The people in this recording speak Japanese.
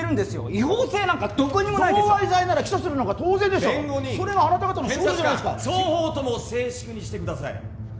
違法性なんかどこにもない贈賄罪なら起訴するのが当然だ弁護人それがあなた方の仕事じゃ検察官双方とも静粛にしてください